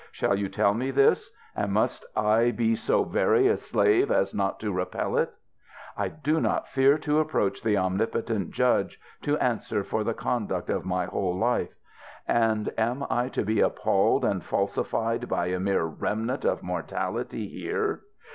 ŌĆö shall you tell me this ŌĆö and must I be so very a slave as not to repel it ? I do not fear to approach the omnipotent Judge, to answer for the conduct of my whole life; and am I to be appalled and falsi fied by a mere remnant of mortality here